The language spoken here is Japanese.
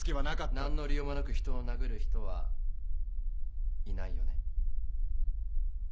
何の理由もなく人を殴る人はいないよね。